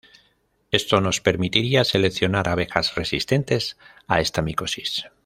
Esto nos permitiría seleccionar abejas resistentes a esta micosis.